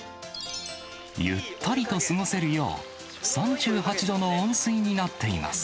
ゆったりと過ごせるよう、３８度の温水になっています。